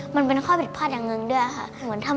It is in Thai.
มันเป็นข้อผิดพลาดอย่างหนึ่งด้วยค่ะ